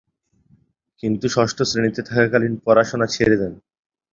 কিন্তু ষষ্ঠ শ্রেণিতে থাকাকালীন পড়াশোনা ছেড়ে দেন।